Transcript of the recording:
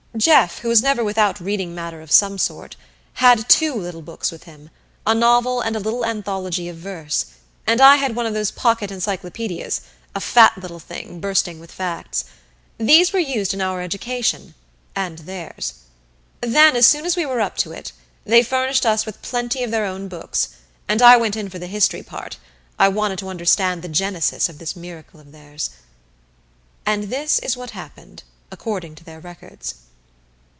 Jeff, who was never without reading matter of some sort, had two little books with him, a novel and a little anthology of verse; and I had one of those pocket encyclopedias a fat little thing, bursting with facts. These were used in our education and theirs. Then as soon as we were up to it, they furnished us with plenty of their own books, and I went in for the history part I wanted to understand the genesis of this miracle of theirs. And this is what happened, according to their records.